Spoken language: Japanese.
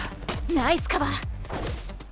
ナイスカバー。